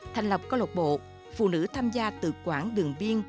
thành lập câu lộc bộ phụ nữ tham gia tự quản đường biên